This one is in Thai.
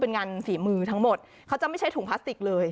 เป็นงานฝีมือทั้งหมดเขาจะไม่ใช้ถุงพลาสติกเลย